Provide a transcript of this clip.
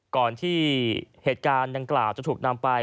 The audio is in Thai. ก่อนที่เหตุการณ์ดังกล่าวจะถูกนำไป